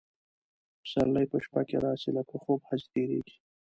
پسرلي په شپه کي راسي لکه خوب هسي تیریږي